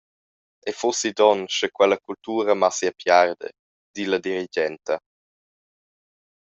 Ei fussi donn sche quella cultura massi a piarder, di la dirigenta.